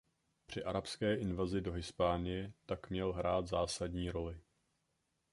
Při arabské invazi do Hispánie tak měl hrát zásadní roli.